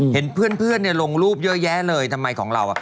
เห็นเพื่อนลงรูปเยอะแยะเลยทำไมของเรา